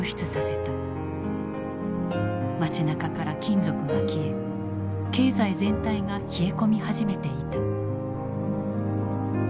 街なかから金属が消え経済全体が冷え込み始めていた。